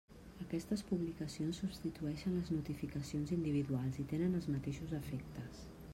Aquestes publicacions substitueixen les notificacions individuals i tenen els mateixos efectes.